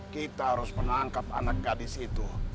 kita harus menangkap anak gadis itu